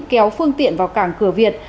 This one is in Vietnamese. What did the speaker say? kéo phương tiện vào cảng cửa việt